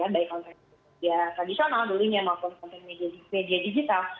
baik konten media tradisional dulu maupun media digital